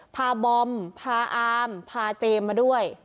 บอมพาอามพาเจมส์มาด้วย